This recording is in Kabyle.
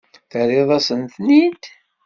Terriḍ-asent-ten-id?